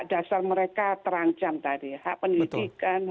dasar mereka terancam tadi hak pendidikan